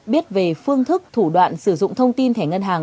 biết về phương thức thủ đoạn sử dụng thông tin thẻ ngân hàng